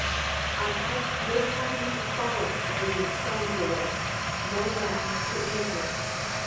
I have no pattern to follow as in some of the rest, no man to imitate.